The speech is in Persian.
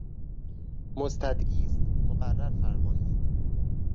مستدعی است مقرر فرمائید!